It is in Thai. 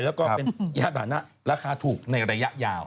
แล้วก็เป็นยาบานะราคาถูกในระยะยาว